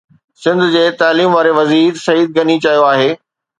سنڌ جي تعليم واري وزير سعيد غني چيو آهي